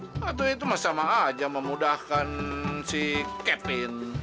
waktu itu mah sama aja memudahkan si kevin